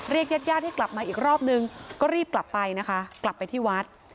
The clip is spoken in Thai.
ญาติญาติให้กลับมาอีกรอบนึงก็รีบกลับไปนะคะกลับไปที่วัด